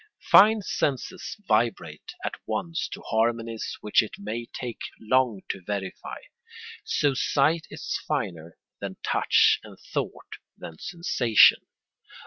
Fine senses vibrate at once to harmonies which it may take long to verify; so sight is finer than touch, and thought than sensation.